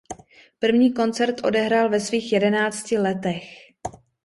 První koncert odehrál ve svých jedenácti letech.